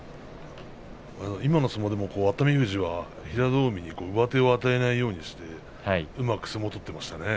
今の相撲でも熱海富士は平戸海に上手を与えないようにしてうまく相撲を取っていました。